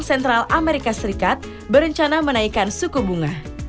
dan penguatan dolar amerika serikat berencana menaikkan suku bunga